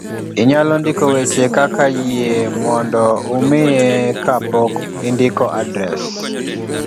inyalo ndiko weche kaka yie mondo umiye ka pok indiko adres